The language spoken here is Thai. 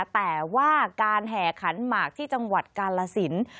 แต่ว่าการแห่ขานหมักที่จังหวัดการละศิลป์